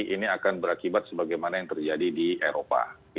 ini akan berakibat sebagaimana yang terjadi di eropa